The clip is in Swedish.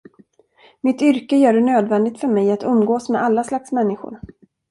Mitt yrke gör det nödvändigt för mig att umgås med alla slags människor.